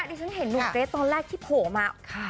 ที่ฉันเห็นหนุ่มเกรทตอนแรกที่โผล่มา